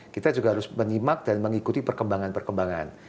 kita juga harus menyimak dan mengikuti perkembangan perkembangan